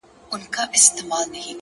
ستا خالونه مي ياديږي ورځ تېرېږي ـ